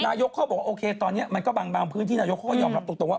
เขาบอกว่าโอเคตอนนี้มันก็บางพื้นที่นายกเขาก็ยอมรับตรงว่า